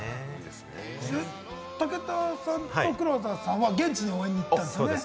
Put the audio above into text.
武田さんと黒田さんは現地に応援に行ったんですよね？